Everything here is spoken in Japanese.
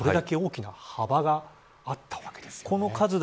これだけ大きな幅があったわけですね。